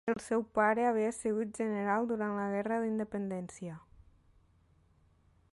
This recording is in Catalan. El seu pare havia sigut general durant la Guerra d'Independència.